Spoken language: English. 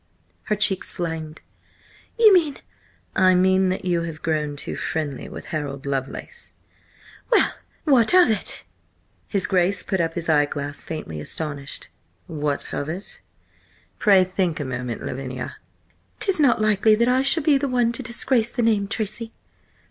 Her cheeks flamed. "You mean—" "I mean that you have grown too friendly with Harold Lovelace." "Well! What of it?" His Grace put up his eye glass, faintly astonished. "What of it? Pray think a moment, Lavinia!" "'Tis not likely that I shall be the one to disgrace the name, Tracy!"